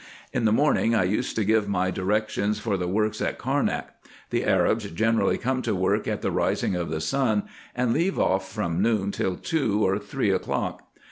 In the morning I used to give my directions for the works at Carnak. The Arabs generally come to work at the rising of the sun, and leave off from noon till two or three o'clock.